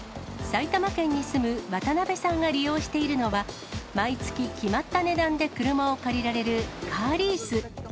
埼玉県に住む渡邉さんが利用しているのは、毎月、決まった値段で車を借りられるカーリース。